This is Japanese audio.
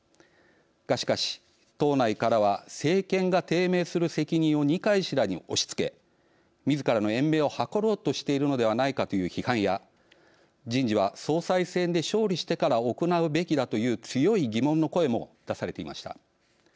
しかし党内からは政権が低迷する責任を二階氏らに押しつけみずからの延命を図ろうとしているのではないかという批判や人事は総裁選で勝利してから行うべきだという強い疑問の声も出されていました。